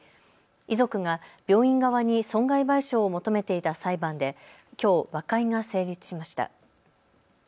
遺族が病院側に損害賠償を求めていた裁判できょう、和解が成立しました。